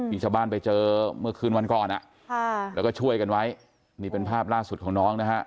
มีชาวบ้านไปเจอเมื่อคืนวันก่อนแล้วก็ช่วยกันไว้นี่เป็นภาพล่าสุดของน้องนะฮะ